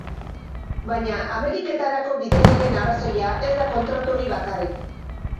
Baina Ameriketarako bidaiaren arrazoia ez da kontratu hori bakarrik.